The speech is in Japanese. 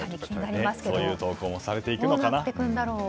そういう投稿もされていくのかな。